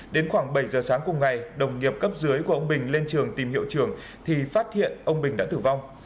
đến khoảng bảy giờ sáng cùng ngày đồng nghiệp cấp dưới của ông bình lên trường tìm hiệu trường thì phát hiện ông bình đã tử vong